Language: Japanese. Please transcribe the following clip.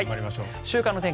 週間天気